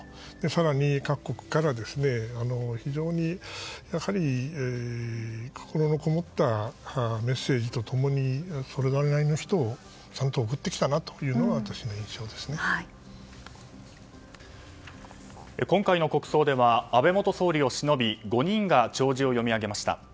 更に各国から、非常に心のこもったメッセージと共にそれなりの人をちゃんと送ってきたなというのが今回の国葬では安倍元総理をしのび５人が弔辞を読み上げました。